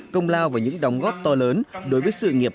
công lao và những đóng góp to lớn